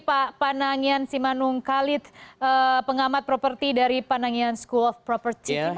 pak panangian simanung khalid pengamat properti dari panangian school of properties